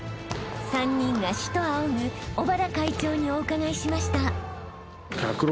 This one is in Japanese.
［３人が師と仰ぐ小原会長にお伺いしました］